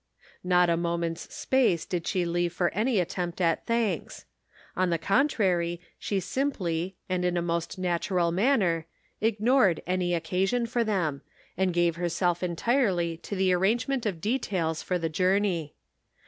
Not a moment's space did she leave for any attempt at thanks. On the contrary she simply, and in a most natural manner, ignored any occasion for them, and gave herself en tirely to the arrangement of details for the journey.